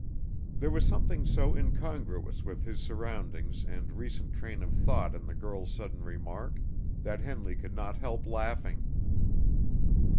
There was something so incongruous with his surroundings and recent train of thought in the girl's sudden remark that Henley could not help laughing.